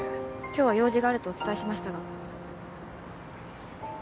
今日は用事があるとお伝えしましたが。